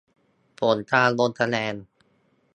ผลการลงคะแนน